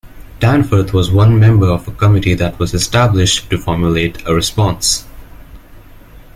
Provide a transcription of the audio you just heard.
Danforth was one member of a committee that was established to formulate a response.